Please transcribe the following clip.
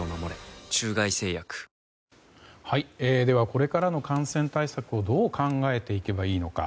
ＪＴこれからの感染対策をどう考えていけばいいのか。